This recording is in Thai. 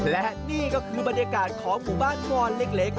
และนี่ก็คือบรรยากาศของหมู่บ้านวอนเล็ก